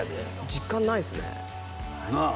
実感ないですねなあ？